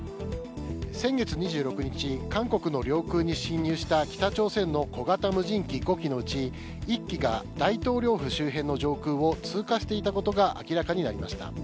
先月２６日韓国の領空に侵入した北朝鮮の小型無人機５機のうち１機が大統領府周辺の上空を通過していたことが明らかになりました。